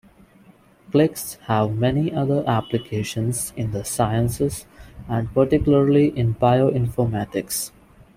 Cliques have many other applications in the sciences and particularly in bioinformatics.